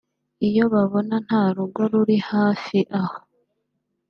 iyo babona nta rugo ruri hafi aho